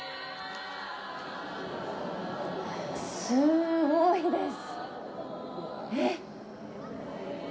すごいです。